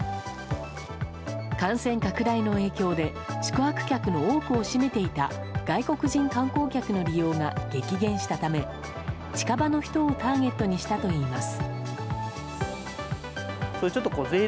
感染拡大の影響で宿泊客の多くを占めていた外国人観光客の利用が激減したため近場の人をターゲットにしたといいます。